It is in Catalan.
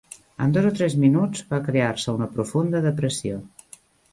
En dos o tres minuts va crear-se una profunda depressió.